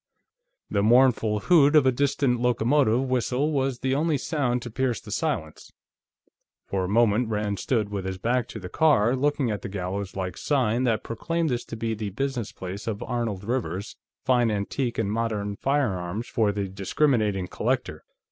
The mournful hoot of a distant locomotive whistle was the only sound to pierce the silence. For a moment, Rand stood with his back to the car, looking at the gallows like sign that proclaimed this to be the business place of Arnold Rivers, Fine Antique and Modern Firearms for the Discriminating Collector.